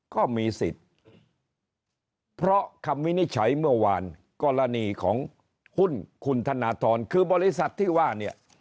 ก็มีสิทธิ์เพราะคำวินิจฉัยเมื่อวานกรณีของหุ้นคุณธนทรคือบริษัทที่ว่าเนี่ย